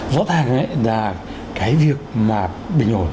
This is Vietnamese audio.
rõ ràng là cái việc bình ổn